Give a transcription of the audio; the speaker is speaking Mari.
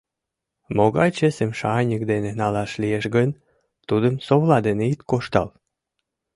«Могай чесым шаньык дене налаш лиеш гын, тудым совла дене ит коштал».